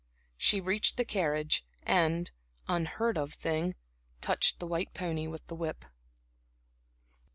She reached the carriage, and un heard of thing touched the white pony with the whip.